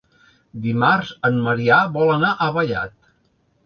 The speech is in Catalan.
Dimarts en Maria vol anar a Vallat.